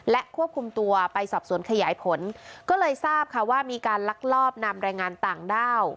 และควบคุมตัวไปสอบสวนขยายผลก็เลยทราบค่ะว่ามีการลักลอบนำแรงงานต่างด้าว